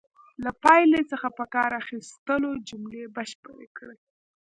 له پایلې څخه په کار اخیستلو جملې بشپړې کړئ.